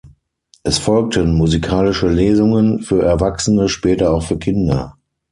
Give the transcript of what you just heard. Es folgten "Musikalische Lesungen" für Erwachsene, später auch für Kinder.